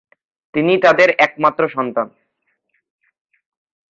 তিনি তাদের একমাত্র সন্তান।